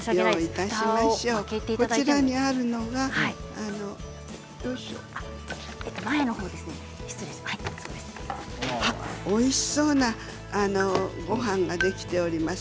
こちらにあるのはおいしそうなごはんができております。